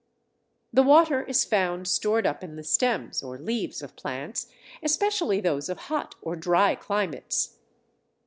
The water is found stored up in the stems or leaves of plants, especially those of hot or dry climates.